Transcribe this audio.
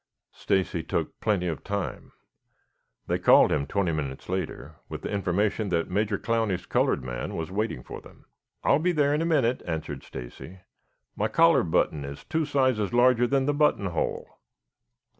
Stacy took plenty of time. They called him twenty minutes later, with the information that Major Clowney's colored man was waiting for them. "I will be there in a minute," answered Stacy. "My collar button is two sizes larger than the button hole."